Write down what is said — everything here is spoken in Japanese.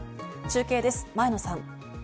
中継です、前野さん。